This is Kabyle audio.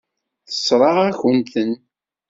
Tessṛeɣ-akent-ten.